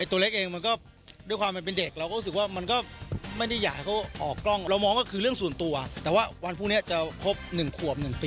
ตัวเล็กเองมันก็ด้วยความเป็นเด็ก